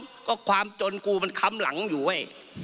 เพราะความจนกูมันค้ำหลังอยู่เว้ย